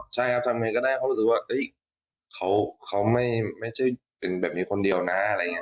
ใช่ครับทำยังไงก็ได้เขารู้สึกว่าเขาไม่ใช่เป็นแบบมีคนเดียวนะ